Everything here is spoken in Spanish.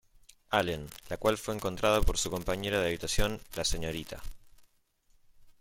Allen, la cual fue encontrada por su compañera de habitación, la Srta.